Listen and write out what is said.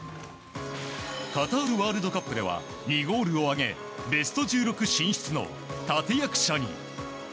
カタールワールドカップでは２ゴールを挙げベスト１６進出の立役者に。